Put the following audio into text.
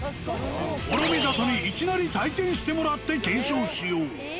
諸見里にいきなり体験してもらって検証しよう。